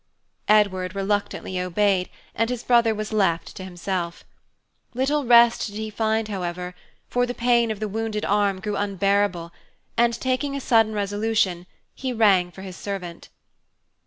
Edward reluctantly obeyed, and his brother was left to himself. Little rest did he find, however, for the pain of the wounded arm grew unbearable, and, taking a sudden resolution, he rang for his servant.